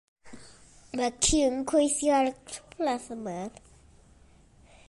Mae'r ci yn cweithi ar y postman.